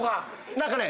何かね